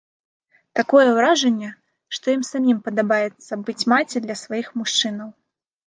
Такое ўражанне, што ім самім падабаецца быць маці для сваіх мужчынаў.